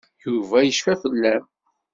Yuba yecfa fell-am.